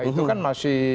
itu kan masih